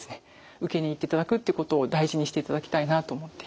受けに行っていただくってことを大事にしていただきたいなと思っています。